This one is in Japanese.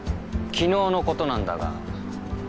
昨日のことなんだが。